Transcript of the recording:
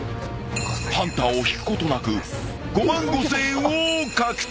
［ハンターを引くことなく５万５，０００円を獲得］